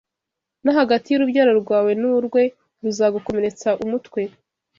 no hagati y’urubyaro rwawe n’urwe: ruzagukomeretse umutwe,